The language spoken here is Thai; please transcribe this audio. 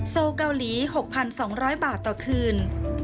โซลเกาหลี๖๒๐๐บาทต่อคืน